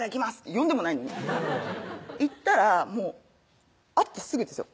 呼んでもないのに行ったら会ってすぐですよ